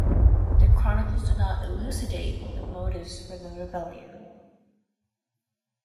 The chronicles do not elucidate the motives for the rebellion.